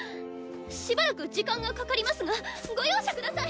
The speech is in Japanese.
しばらく時間がかかりますがご容赦ください！